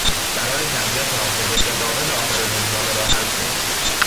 برای تقویت حافظه جداول آخر روزنامه را حل کن.